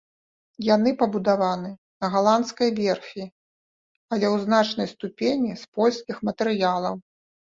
Яны пабудаваны на галандскай верфі, але ў значнай ступені з польскіх матэрыялаў.